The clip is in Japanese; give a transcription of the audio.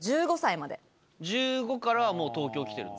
１５からはもう東京来てるの？